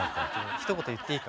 ひと言言っていいか？